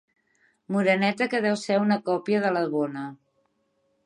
Moreneta que deu ser una còpia de la bona.